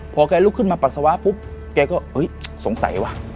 พอแกลุกขึ้นมาปัสสาวะปุ๊บแกก็สงสัยว่ะ